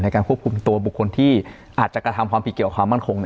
การควบคุมตัวบุคคลที่อาจจะกระทำความผิดเกี่ยวกับความมั่นคง